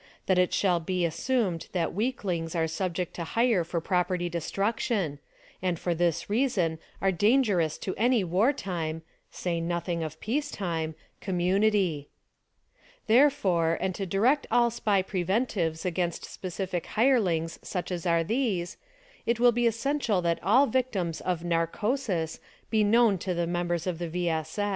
That it shall he assumed that weaklings are subject to hire for property destruction — and for this reason are dangerous to any war time (say nothing of peace time) com munity. Therefore, and to direct all SPY preventives against specific hirelings such as are these, it will he essential that all victims of "narcosis" be known to the members of the V. S.